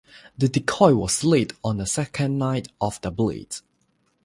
The decoy was lit on the second night of the blitz.